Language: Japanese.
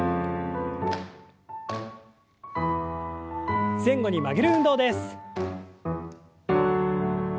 前後に曲げる運動です。